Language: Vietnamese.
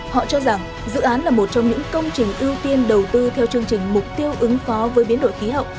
họ cho rằng dự án là một trong những công trình ưu tiên đầu tư theo chương trình mục tiêu ứng phó với biến đổi khí hậu